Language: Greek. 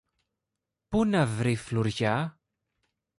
Πού να βρει φλουριά;